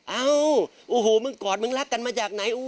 เอ้าโอ้โหมึงกอดมึงรักกันมาจากไหน